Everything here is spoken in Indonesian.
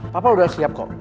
papa udah siap kok